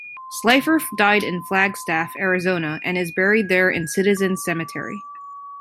Slipher died in Flagstaff, Arizona and is buried there in Citizens Cemetery.